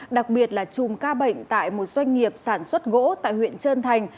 đặc biệt là chùm ca bệnh tại một doanh nghiệp sản xuất gỗ tại huyện trơn thành